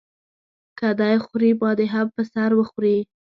که دی خوري ما دې هم په سر وخوري.